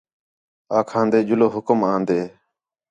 آکھا ندے جلو حکم ان ݙے